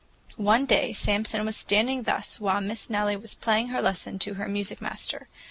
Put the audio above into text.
One day Samson was standing thus while Miss Nellie was playing her lesson to her music master.